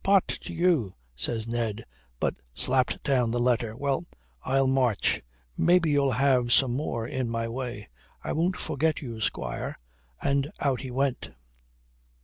"Pot to you," says Ned, but slapped down the letter. "Well, I'll march. Maybe you'll have some more in my way. I won't forget you, squire," and out he went.